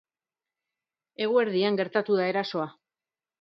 Eguerdian gertatu da erasoa.